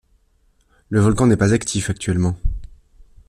Le volcan n'est pas actif actuellement.